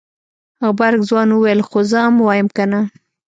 غبرګ ځوان وويل خو زه ام وايم کنه.